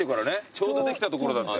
ちょうどできたところだって。